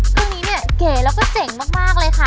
คู่นี้เนี่ยเก๋แล้วก็เจ๋งมากเลยค่ะ